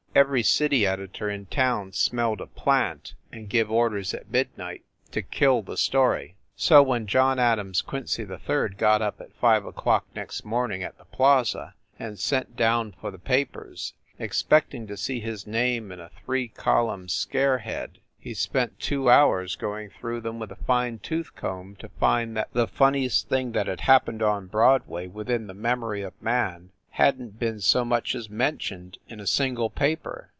Every city editor in town smelled a "plant" and give orders at midnight to "kill" the story. So when John Adams Quincy 3d got up at five o clock next morning at the Plaza and sent down for the papers, expecting to see his name in a three column scare head he spent two hours going through them with a fine tooth comb to find that the funniest thing that happened on Broadway within 258 FIND THE WOMAN the memory of man hadn t been so much as men tioned in a single paper